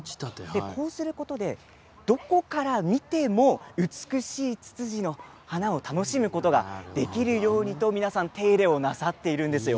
こうすることで、どこから見ても美しいツツジの花を楽しむことができるようにと皆さん手入れをなさっているんですよ。